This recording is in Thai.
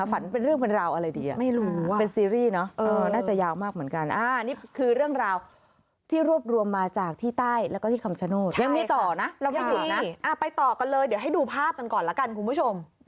ไปต่อกันเลยเดี๋ยวให้ดูภาพกันก่อนละกันคุณผู้ชม